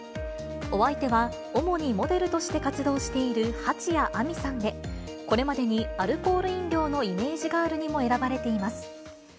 お相手は、主にモデルとして活動している蜂谷晏海さんで、これまでにアルコール飲料のイメージガールにも選ばれています。